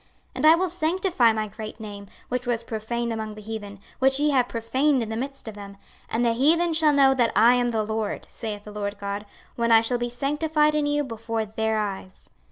26:036:023 And I will sanctify my great name, which was profaned among the heathen, which ye have profaned in the midst of them; and the heathen shall know that I am the LORD, saith the Lord GOD, when I shall be sanctified in you before their eyes.